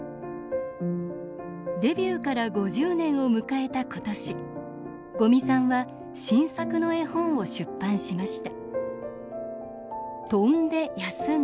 デビューから５０年を迎えた今年五味さんは新作の絵本を出版しました。